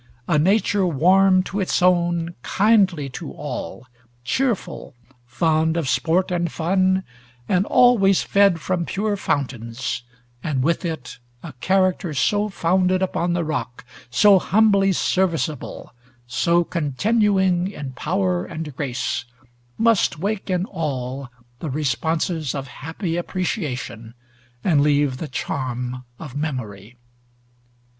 A nature warm to its own, kindly to all, cheerful, fond of sport and fun, and always fed from pure fountains, and with it a character so founded upon the rock, so humbly serviceable, so continuing in power and grace, must wake in all the responses of happy appreciation, and leave the charm of memory.